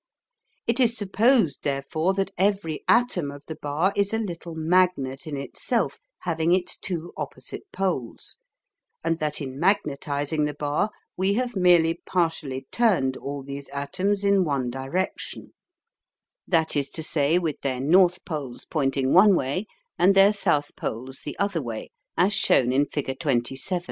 It is supposed, therefore, that every atom of the bar is a little magnet in itself having its two opposite poles, and that in magnetising the bar we have merely partially turned all these atoms in one direction, that is to say, with their north poles pointing one way and their south poles the other way, as shown in figure 27.